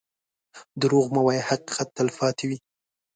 دروغ مه وایه، حقیقت تل پاتې وي.